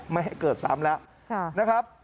ไม่ให้เกิดซ้ำแล้วนะครับ